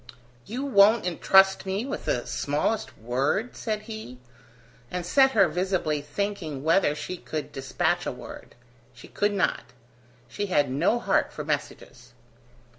"You won't entrust me with the smallest word?" said he, and set her visibly thinking whether she could dispatch a word. She could not; she had no heart for messages.